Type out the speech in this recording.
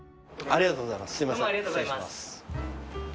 ありがとうございます。